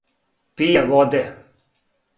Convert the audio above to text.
Пије воде.